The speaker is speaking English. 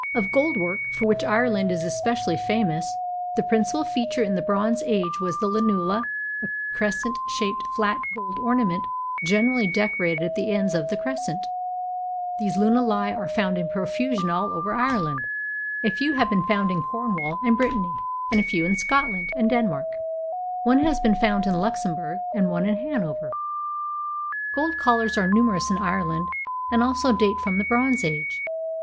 Of gold work, for which Ireland is especially famous, the principal feature in the bronze age was the lunula, a crescent shaped flat gold ornament generally decorated at the ends of the crescent. These lunulae are found in profusion all over Ireland. A few have been found in Cornwall and Brittany, and a few in Scotland and Denmark. One has been found in Luxemburg and one in Hanover. Gold collars are numerous in Ireland and also date from the bronze age.